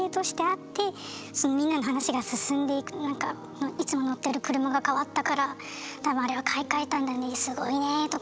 なんか「いつも乗ってる車が変わったから多分あれは買い替えたんだねすごいね」とか。